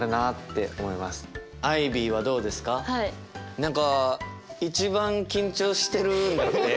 何か一番緊張してるんだって？